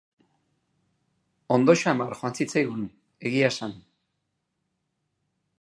Ondo samar joan zitzaigun, egia esan.